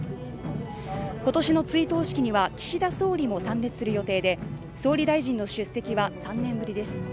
今年の追悼式には岸田総理も参列する予定で総理大臣の出席は３年ぶりです